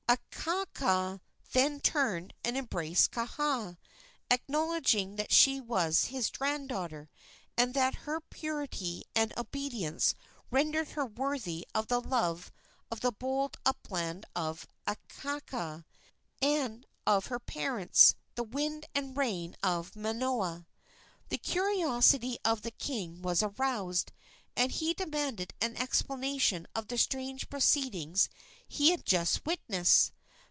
Akaaka then turned and embraced Kaha, acknowledging that she was his granddaughter, and that her purity and obedience rendered her worthy of the love of the bold upland of Akaaka, and of her parents, the Wind and Rain of Manoa. The curiosity of the king was aroused, and he demanded an explanation of the strange proceedings he had just witnessed.